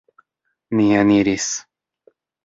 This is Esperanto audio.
Ni eniris.